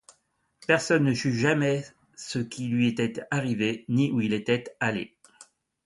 Personne ne sut jamais ce qui lui était arrivé, ni où il était allé.